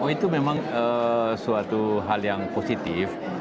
oh itu memang suatu hal yang positif